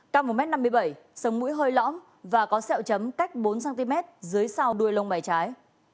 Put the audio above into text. cao một m năm mươi bảy sống mũi hơi lõm và có sẹo chấm cách bốn cm dưới sau đuôi lông mái trái